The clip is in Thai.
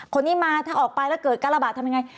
คนนี้มาถ้าออกไปแล้วเกิดการระบาดทำยังไง